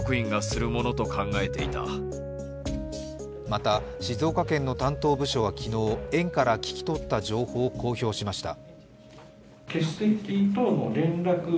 また静岡県の担当部署は昨日園から聞き取った情報を公表しました。